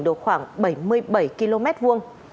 được khoảng bảy mươi bảy km vuông